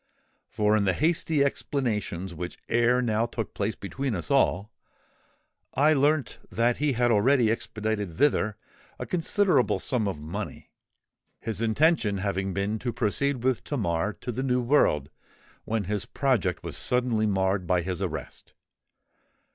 For in the hasty explanations which ere now took place between us all, I learnt that he had already expedited thither a considerable sum of money, his intention having been to proceed with Tamar to the New World when his project was suddenly marred by his arrest.